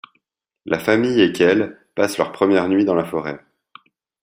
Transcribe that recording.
La famille et Kel passent leur première nuit dans la forêt.